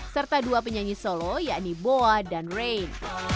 serta dua penyanyi solo yakni boa dan rain